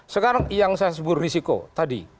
sekarang yang saya sebut risiko tadi